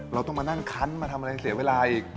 เราต้องมานั่งคันมาทำอะไรเสียเวลาอีก